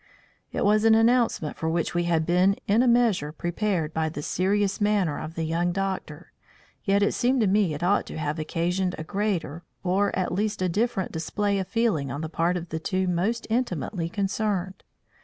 It was an announcement for which we had been in a measure prepared by the serious manner of the young doctor, yet it seemed to me it ought to have occasioned a greater, or at least a different display of feeling on the part of the two most intimately concerned.